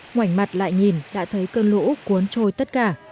ngoảnh mặt lại nhìn đã thấy cơn lũ cuốn trôi tất cả